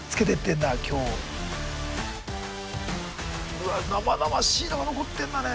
うわ生々しいのが残ってんだね。